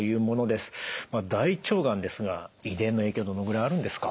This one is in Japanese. まあ大腸がんですが遺伝の影響はどのぐらいあるんですか？